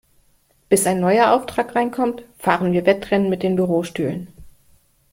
Bis ein neuer Auftrag reinkommt, fahren wir Wettrennen mit den Bürostühlen.